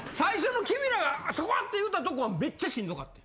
君らが「そこ！」って言うたとこはめっちゃしんどかってん。